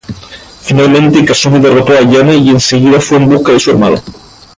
Finalmente, Kasumi derrotó a Ayane y enseguida fue en busca de su hermano.